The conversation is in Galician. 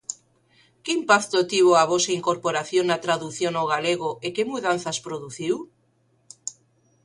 Que impacto tivo a vosa incorporación na tradución ao galego e que mudanzas produciu?